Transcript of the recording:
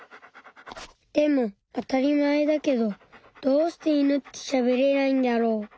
でもあたりまえだけどどうしてイヌってしゃべれないんだろう？